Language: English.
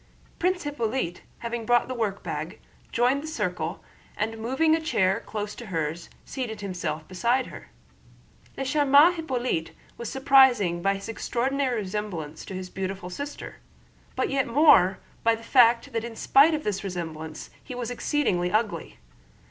Prince Hippolyte, having brought the workbag, joined the circle and moving a chair close to hers seated himself beside her. Le charmant Hippolyte was surprising by his extraordinary resemblance to his beautiful sister, but yet more by the fact that in spite of this resemblance he was exceedingly ugly.